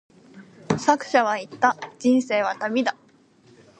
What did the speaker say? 作者は言った、人生は旅だ。